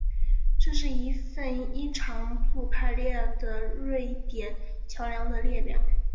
这是一份依长度排列的瑞典桥梁的列表